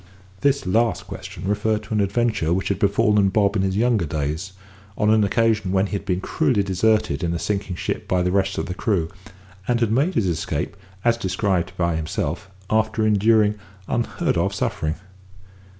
This last question referred to an adventure which had befallen Bob in his younger days, on an occasion when he had been cruelly deserted in a sinking ship by the rest of the crew, and had made his escape, as described by himself, after enduring unheard of suffering.